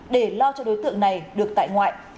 để lo cho đối tượng này được tại ngoại